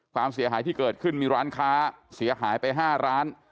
ความเสียหายที่เกิดขึ้นมีร้านค้าเสียหายไป๕ร้าน